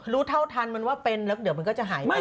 รู้เท่าทันมันว่าเป็นแล้วเดี๋ยวมันก็จะหายไป